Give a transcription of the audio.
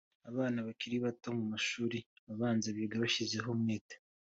abana bakiri bato bo mu mashuri abanza, biga bashyizeho umwete